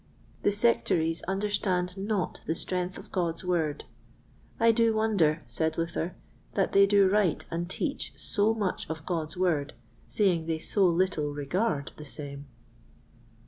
The Sectaries understand not the strength of God's Word. I do wonder, said Luther, that they do write and teach so much of God's Word, seeing they so little regard the same.